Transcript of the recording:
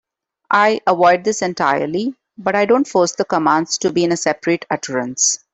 I avoid this entirely, but I don't force the commands to be in a separate utterance.